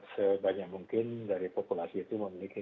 sebanyak mungkin dari populasi itu memiliki